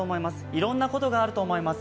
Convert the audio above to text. いろんなことがあると思います。